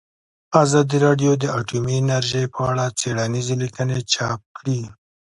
ازادي راډیو د اټومي انرژي په اړه څېړنیزې لیکنې چاپ کړي.